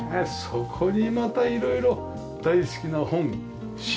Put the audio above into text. そこにまたいろいろ大好きな本ＣＤからね。